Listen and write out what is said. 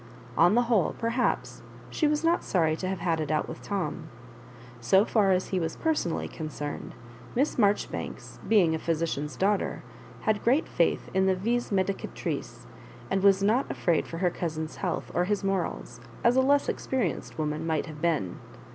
Ou the whole, perhaps, she was not sorry to have had it out with Tora. So far as he was personally concerned. Miss Maijoribanks, being a physician's daughter, had great faith in the vis medicatrix, and was not afraid for her cousin's health or his morals, as a less experienced woman might have been.